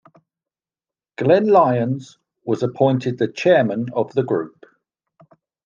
Glen Lyons was appointed the Chairman of the group.